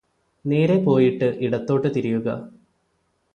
നേരെ പോയിട്ട് ഇടത്തോട്ട് തിരിയുക